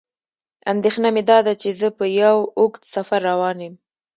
اندېښنه مې داده چې زه په یو اوږد سفر روان یم.